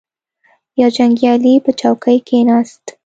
یو جنګیالی په چوکۍ کښیناست.